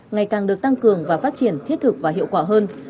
ngày càng được tăng cường và phát triển thiết thực và hiệu quả hơn